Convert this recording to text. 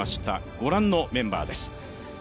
ご覧のメンバーです。